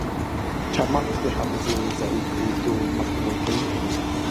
چارمغز د حافظې ضعیفیدو مخنیوی کوي.